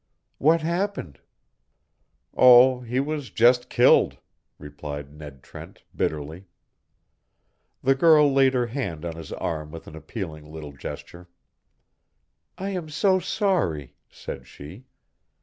"What happened?" "Oh, he was just killed," replied Ned Trent, bitterly. The girl laid her hand on his arm with an appealing little gesture. "I am so sorry," said she.